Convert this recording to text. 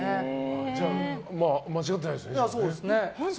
じゃあ間違ってないですね。